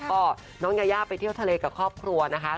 ก็น้องยายาไปเที่ยวทะเลกับครอบครัวนะคะ